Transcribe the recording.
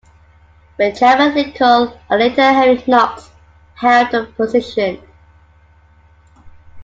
Benjamin Lincoln and later Henry Knox held the position.